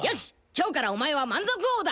今日からお前は満足王だ！